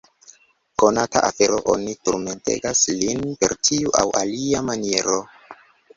Konata afero, oni turmentegas lin per tiu aŭ alia maniero.